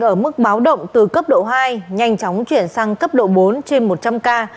ở mức báo động từ cấp độ hai nhanh chóng chuyển sang cấp độ bốn trên một trăm linh ca